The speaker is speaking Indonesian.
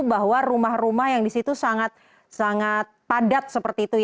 bahwa rumah rumah yang di situ sangat padat seperti itu